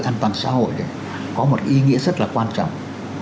an toàn xã hội có một ý nghĩa rất là quan trọng